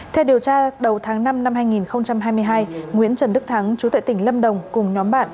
theo điều tra đầu tháng năm năm hai nghìn hai mươi hai nguyễn trần đức thắng chú tại tỉnh lâm đồng cùng nhóm bạn